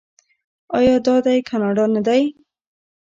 آیا دا دی کاناډا نه دی؟